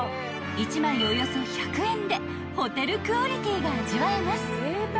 ［１枚およそ１００円でホテルクオリティーが味わえます］